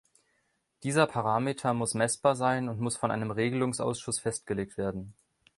Dieser Parameter muss messbar sein und muss von einem Regelungsausschuss festgelegt werden.